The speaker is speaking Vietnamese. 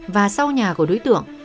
và sau nhà của đối tượng